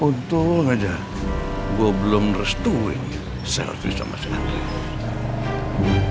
untung aja gue belum restuin selfie sama si indri